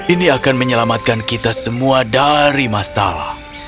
ini akan menyelamatkan kita semua dari masalah